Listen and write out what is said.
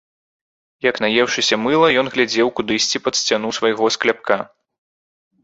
Як наеўшыся мыла ён глядзеў кудысьці пад сцяну свайго скляпка.